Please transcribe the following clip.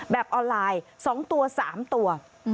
ออนไลน์๒ตัว๓ตัว